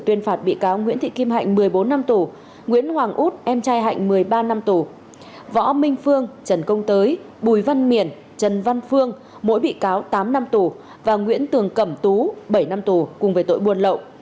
tuyên phạt bị cáo nguyễn thị kim hạnh một mươi bốn năm tù nguyễn hoàng út em trai hạnh một mươi ba năm tù võ minh phương trần công tới bùi văn miển trần văn phương mỗi bị cáo tám năm tù và nguyễn tường cẩm tú bảy năm tù cùng về tội buôn lậu